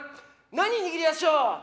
何握りやしょう？